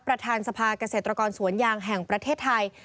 ประธานสภาเกษตรกรสวนยางแห่งประเทศไทย